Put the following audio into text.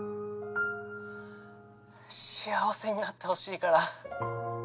幸せになってほしいから。